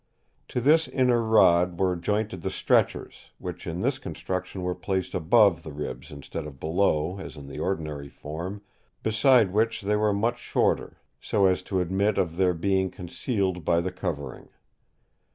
To this inner rod were jointed the stretchers, which in this construction were placed above the ribs instead of below, as in the ordinary form, beside which they were much shorter, so as to admit of their being concealed by the covering.